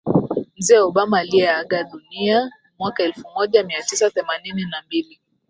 Mzee Obama aliyeaga dunia mwaka elfu moja mia tisa themanini na mbili